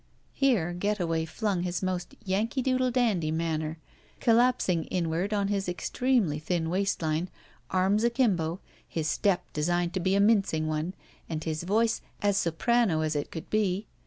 Here Getaway flung his most Yankee Doodle Dandy manner, collapsing inward at his extremely thin waistline, arms akimbo, his step designed to be It mincing one, and his voice as soprano as it could be.